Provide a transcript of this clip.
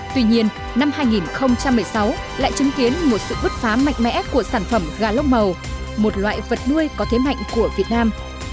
tuy nhiên năm hai nghìn một mươi sáu lại chứng kiến một sự bứt phá mạnh mẽ của sản phẩm gà lông màu một loại vật nuôi có thế mạnh của việt nam